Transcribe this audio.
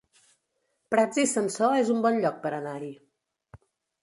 Prats i Sansor es un bon lloc per anar-hi